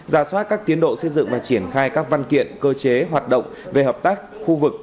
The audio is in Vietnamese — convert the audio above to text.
ra soát các tiến độ xây dựng và triển khai các văn kiện cơ chế hoạt động về hợp tác khu vực